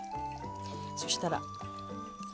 そしたら。